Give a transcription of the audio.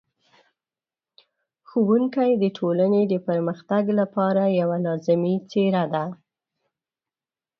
ښوونکی د ټولنې د پرمختګ لپاره یوه لازمي څېره ده.